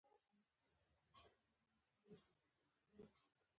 هغه له یخنۍ مړ شو.